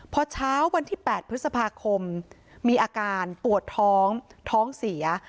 พอเช้าวันที่๘พฤษภาคมมีอาการปวดท้องท้องเสีย